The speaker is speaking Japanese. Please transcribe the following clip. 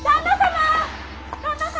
旦那様！